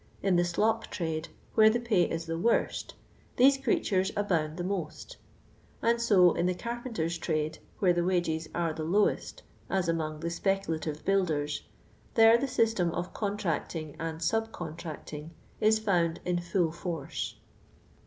In the slop trade, where the pay is the worst, these creatures abound the most ; and so in the carpenter's trade, where the wages are the lowest — as among the speculative builders — there the system of contrac^ ing and sub contracting is found in full force.